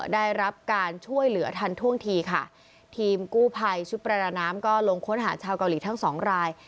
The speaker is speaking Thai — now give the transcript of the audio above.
ได้รับการช่วยเหลือทันท่วงทีค่ะทีมกู้ภัยชุดประดาน้ำก็ลงค้นหาชาวเกาหลีทั้งสองราย